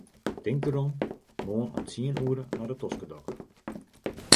Tink derom, moarn om tsien oere nei de toskedokter.